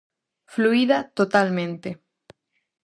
Fluída totalmente.